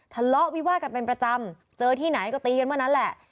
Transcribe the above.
ทะเลาะวิวาดกันเป็นประจำเจอที่ไหนก็ตีกันเมื่อนั้นแหละ